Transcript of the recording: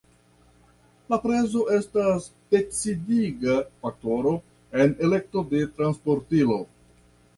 La prezo estas decidiga faktoro en elekto de transportilo.